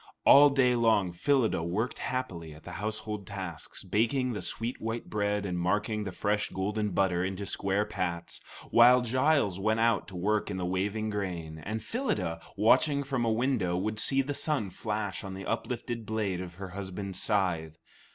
All day long Phyllida worked happily at the household tasks, baking the sweet white bread and marking the fresh golden butter into square pats, while Giles went out to work in the waving grain; and Phyllida, watching from a window, would see the sun flash on the uplifted blade of her husband's scythe.